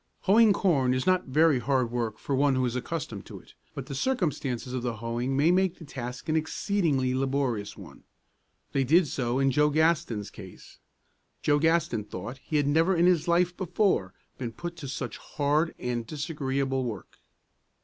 Hoeing corn is not very hard work for one who is accustomed to it, but the circumstances of the hoeing may make the task an exceedingly laborious one. They did so in Joe Gaston's case. Joe Gaston thought he had never in his life before been put to such hard and disagreeable work.